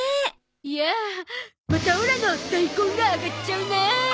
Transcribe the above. いやあまたオラの大根が上がっちゃうな。